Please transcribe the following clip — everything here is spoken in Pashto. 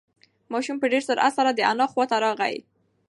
ماشوم په ډېر سرعت سره د انا خواته راغی.